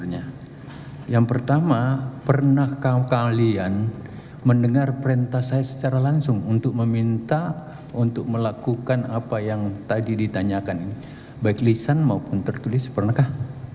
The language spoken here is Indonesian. yang tadi ditanyakan baik lisan maupun tertulis pernahkah